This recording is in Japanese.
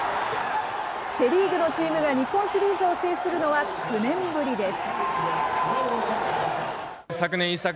セ・リーグのチームが日本シリーズを制するのは、９年ぶりです。